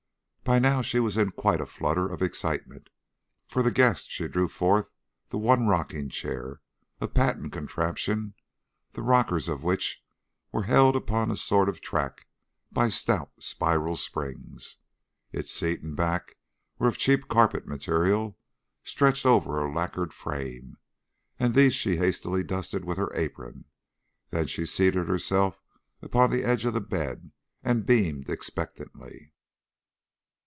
By now she was in quite a flutter of excitement. For the guest she drew forth the one rocking chair, a patent contraption, the rockers of which were held upon a sort of track by stout spiral springs. Its seat and back were of cheap carpet material stretched over a lacquered frame, and these she hastily dusted with her apron; then she seated herself upon the edge of the bed and beamed expectantly.